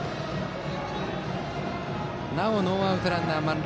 なおノーアウトランナー、満塁。